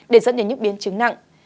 để dẫn đến những biến chứng nặng